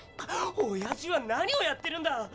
おやじは何をやってるんだ！